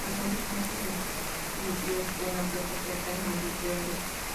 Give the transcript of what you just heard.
Por ejemplo, sustancias emitidas por una presa que atraen al depredador.